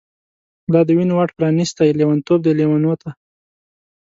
لا د وینو واټ پرانیستۍ، لیونتوب دی لیونوته